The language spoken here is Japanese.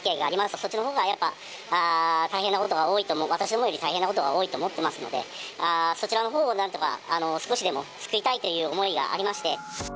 そちらのほうがやっぱり大変なことが多いと思う、私よりも大変なことが多いと思っておりますので、そちらのほうをなんとか、少しでも救いたいという思いがありまして。